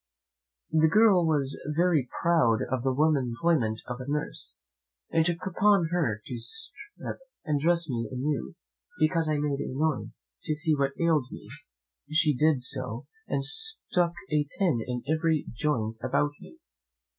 The girl was very proud of the womanly employment of a nurse, and took upon her to strip and dress me a new, because I made a noise, to see what ailed me; she did so, and stuck a pin in every joint about me.